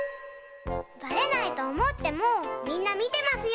バレないとおもってもみんなみてますよ！